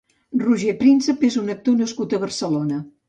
Roger Príncep és un actor nascut a Barcelona.